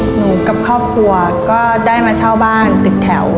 หนูกับครอบครัวก็ได้มาเช่าบ้านตึกแถว